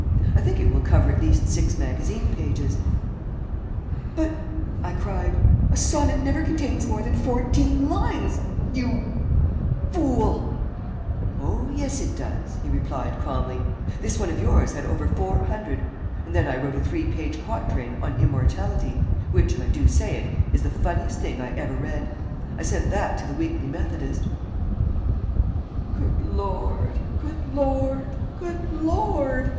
I think it will cover at least six magazine pages " "But," I cried, "a sonnet never contains more than fourteen lines you fool!" "Oh yes, it does," he replied, calmly. "This one of yours had over four hundred. And then I wrote a three page quatrain on 'Immortality,' which, if I do say it, is the funniest thing I ever read. I sent that to the Weekly Methodist." "Good Lord, good Lord, good Lord!"